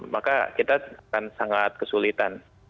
maka kita akan sangat kesulitan